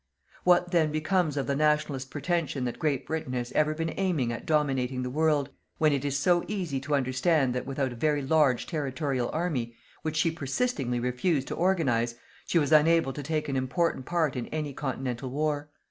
What then becomes of the "Nationalist" pretention that Great Britain has ever been aiming at dominating the world, when it is so easy to understand that without a very large territorial army, which she persistingly refused to organize, she was unable to take an important part in any continental war.